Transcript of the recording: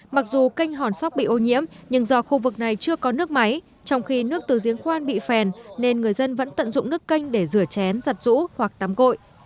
mặc dù canh hòn sóc bị ô nhiễm nhưng do khu vực này chưa có nước máy trong khi nước từ diễn khoan bị phèn nên người dân vẫn tận dụng nước canh để rửa chén giặt rũ hoặc tắm gội